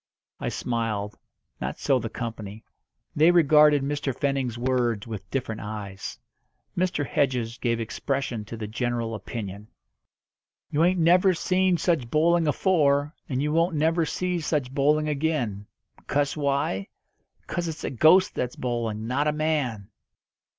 I smiled. Not so the company. They regarded Mr. Fenning's words with different eyes. Mr. Hedges gave expression to the general opinion. "You ain't never seen such bowling afore, and you won't never see such bowling again. 'Cause why? 'Cause it's a ghost that's bowling, not a man!"